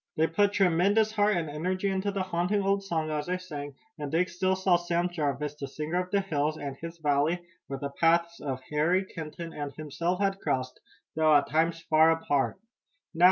They put tremendous heart and energy into the haunting old song as they sang, and Dick still saw Sam Jarvis, the singer of the hills, and his valley, where the paths of Harry Kenton and himself had crossed, though at times far apart. "Now!"